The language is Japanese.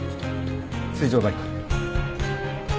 水上バイク。